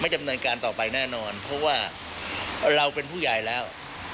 ดำเนินการต่อไปแน่นอนเพราะว่าเราเป็นผู้ใหญ่แล้ว